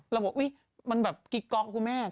เราบอกอุ๊ยมันแบบกิ๊กก๊อกคุณแม่